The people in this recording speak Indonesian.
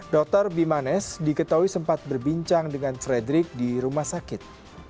dr bimanesh diketahui sempat berbincang dengan fredrik di rumah sakit